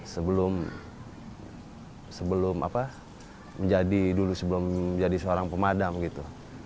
sebelum apa menjadi dulu sebelum jadi seorang pemadam gitu